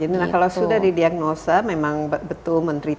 jadi kalau sudah didiagnosa memang betul menteri di sini